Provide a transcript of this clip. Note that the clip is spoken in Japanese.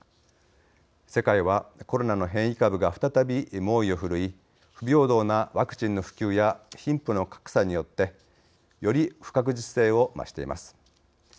世界は、コロナの変異株が再び猛威を振るい不平等なワクチンの普及や貧富の格差によってより不確実性を増しています。